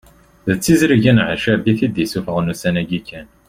D tiẓrigin Ɛeccab i t-id-isuffɣen ussan-agi kan